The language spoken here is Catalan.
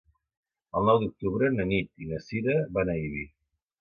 El nou d'octubre na Nit i na Sira van a Ibi.